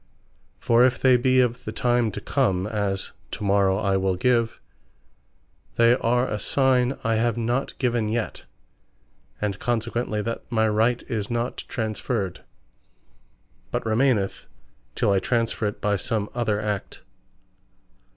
For if they be of the time to Come, as, To Morrow I Will Give, they are a signe I have not given yet, and consequently that my right is not transferred, but remaineth till I transferre it by some other Act.